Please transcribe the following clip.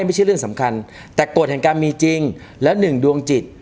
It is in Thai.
ไม่ใช่เรื่องสำคัญแต่กฎแห่งกรรมมีจริงแล้วหนึ่งดวงจิต